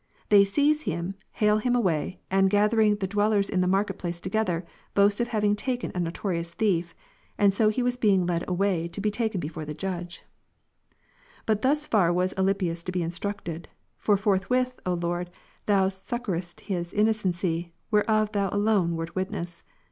They seize him, hale him away, and gathering the dwellers in the market place together, boast of having taken a notorious thief, and so he was being led away to be taken before the judge. 15. But thus far was Alypius to be instructed. For forth with, O Lord, Thou succouredst his innocency, whereof Thou alone wert witness.